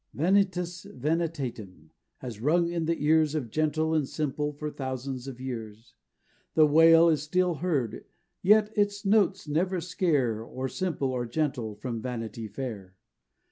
"Vanitas Vanitatum" has rung in the ears Of gentle and simple for thousands of years; The wail is still heard, yet its notes never scare Or simple, or gentle, from Vanity Fair.